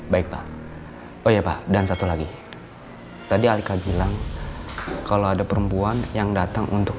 baik pak oh iya pak dan satu lagi tadi alika bilang kalau ada perempuan yang datang untuk